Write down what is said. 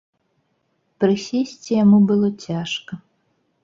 Прысесці яму было цяжка.